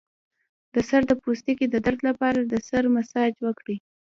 د سر د پوستکي د درد لپاره د سر مساج وکړئ